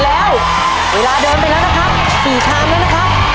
แล้วเวลาเดินไปแล้วนะครับ๔ชามแล้วนะครับ